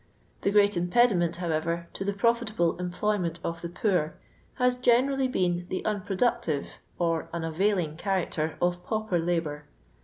The great impediment^ howerer^ to the profit able employment of the poor, haa genecally been the unprodttctive or unanuling character of pauper labour.